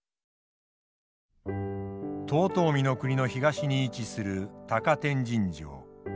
遠江国の東に位置する高天神城。